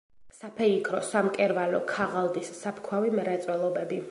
საფეიქრო, სამკერვალო, ქაღალდის, საფქვავი მრეწველობები.